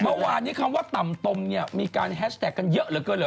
เมื่อวานนี้คำว่าต่ำตมเนี่ยมีการแฮชแท็กกันเยอะเหลือเกินเหลือ